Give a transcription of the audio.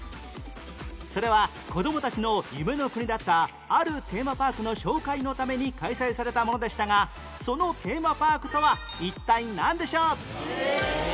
それは子どもたちの夢の国だったあるテーマパークの紹介のために開催されたものでしたがそのテーマパークとは一体なんでしょう？